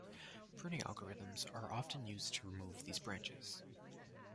Pruning algorithms are often used to remove these branches.